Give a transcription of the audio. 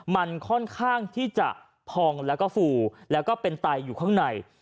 มันค่อนข้างที่จะพองแล้วก็ฟูแล้วก็เป็นไตอยู่ข้างใน